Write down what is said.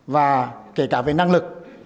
và kể cả về năng lực